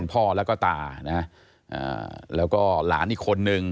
พ่อแล้วก็ตานะแล้วก็หลานอีกคนนึง